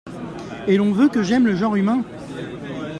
Et l’on veut que j’aime le genre humain !